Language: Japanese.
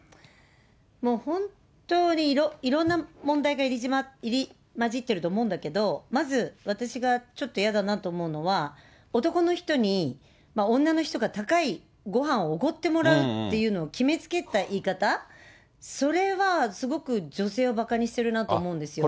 もう本当にいろんな問題が入り交じっているんだと思うんだけど、まず私がちょっとやだなと思うのは、男の人に女の人が高いごはんをおごってもらうっていうのを決めつけた言い方、それはすごく女性をばかにしているなと思うんですよ。